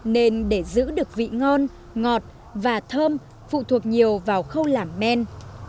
nên để giữ được vị ngon ngọt và thơm phụ thuộc nhiều vào khâu làm men